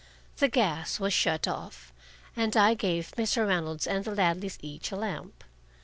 The gas was shut off, and I gave Mr. Reynolds and the Ladleys each a lamp.